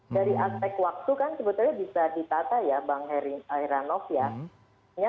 dari aspek waktu kan sebetulnya bisa ditata ya bang heranov ya